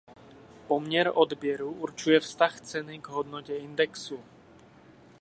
Poměr odběru určuje vztah ceny k hodnotě indexu.